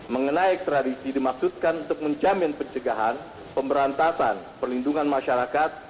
mengenai ekstradisi dimaksudkan untuk menjamin pencegahan pemberantasan perlindungan masyarakat